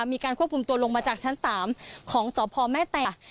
มีการควบคุมตัวลงมาจากชั้น๓ของสพแม่แตะ